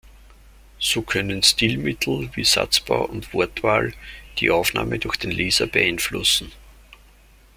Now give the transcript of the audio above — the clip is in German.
So können Stilmittel wie Satzbau und Wortwahl die Aufnahme durch den Leser beeinflussen.